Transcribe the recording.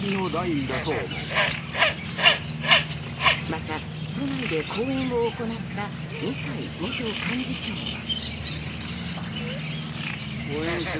また、都内で講演を行った二階元幹事長は。